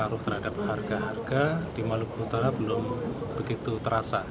pengaruh terhadap harga harga di maluku utara belum begitu terasa